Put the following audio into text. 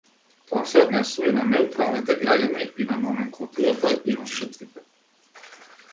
Тоа се однесува и на неутралните граѓани, и на номенклатурата, и на жртвите.